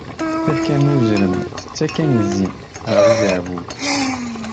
Tafekka n uzrem tettakk anzi ɣer ujeɛbub.